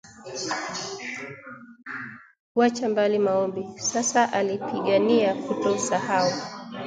Wacha mbali maombi, sasa alipigania kutosahau